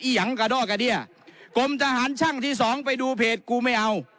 อี้หังกะโด๊ะกะเดี้ยกลมทหารชั่งที่สองไปดูเพจกูไม่เอา